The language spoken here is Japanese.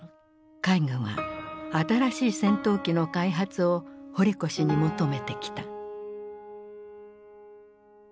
海軍は新しい戦闘機の開発を堀越に求めてきた。